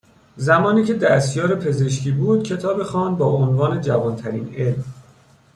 زمانی که دستیار پزشکی بود، کتابی خواند با عنوان جوانترین علم